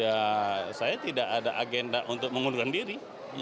ya saya tidak ada agenda untuk mengundurkan diri